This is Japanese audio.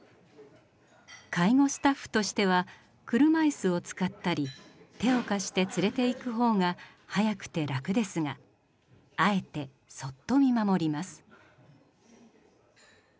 介護スタッフとしては車いすを使ったり手を貸して連れていく方が早くて楽ですがあえてそっと見守ります。